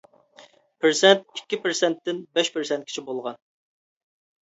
پىرسەنت ئىككى پىرسەنتتىن بەش پىرسەنتكىچە بولغان.